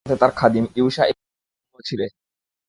তাঁর সাথে তার খাদিম ইউশা ইবন নূনও ছিলেন।